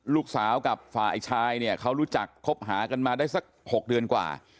ลูกสาวกับฝ่ายชายเนี่ยเขารู้จักคบหากันมาได้สัก๖เดือนกว่า